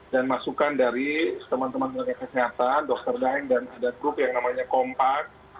dan masukan dari teman teman penyakit kesehatan dr deng dan ada grup yang namanya kompas